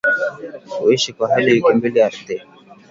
kuishi kwa hadi wiki mbili ardhini